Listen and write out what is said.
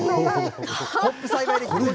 ホップ栽培には。